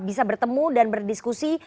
bisa bertemu dan berdiskusi